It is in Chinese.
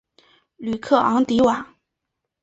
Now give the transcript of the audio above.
吕克昂迪瓦。